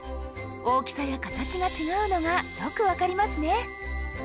大きさや形が違うのがよく分かりますね。